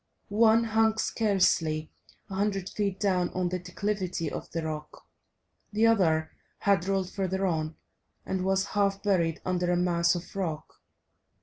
One hung scarcely a hundred feet down on the declivity of the rock, the other had rolled further on, and was half buried under a mass of rock.